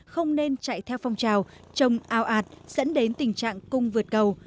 không nên chạy theo phong trào trồng ao ạt dẫn đến tình trạng cung vượt cầu